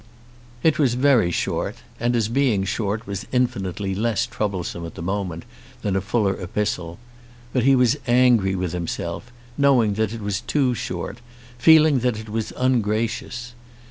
It was very short, and as being short was infinitely less troublesome at the moment than a fuller epistle; but he was angry with himself, knowing that it was too short, feeling that it was ungracious.